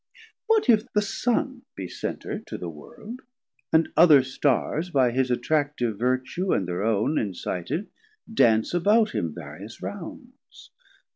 What if the Sun Be Center to the World, and other Starrs By his attractive vertue and thir own Incited, dance about him various rounds?